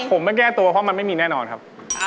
ผมไม่แก้ตัวเพราะมันไม่มีแน่นอนครับ